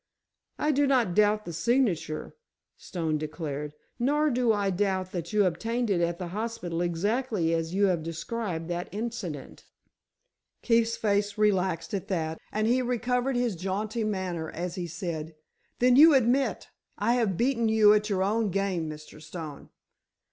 "I do not doubt the signature," Stone declared, "nor do I doubt that you obtained it at the hospital exactly as you have described that incident." Keefe's face relaxed at that, and he recovered his jaunty manner, as he said: "Then you admit I have beaten you at your own game, Mr. Stone?"